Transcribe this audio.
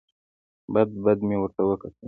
بد بد مې ورته وکتل.